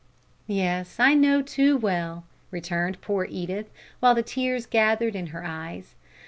"Yes, I know too well," returned poor Edith, while the tears gathered in her eyes.